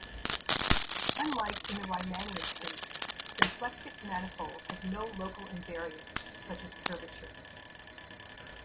Unlike in the Riemannian case, symplectic manifolds have no local invariants such as curvature.